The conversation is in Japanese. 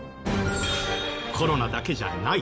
コロナだけじゃない。